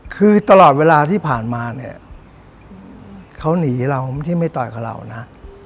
คือตลอดเวลาที่ผ่านมาเนี่ยเขาหนีเราไม่ใช่ไม่ต่อยกับเรานะ